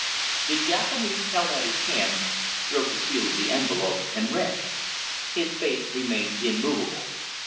The Japanese held out his hand, broke the seal of the envelope, and read. His face remained immovable.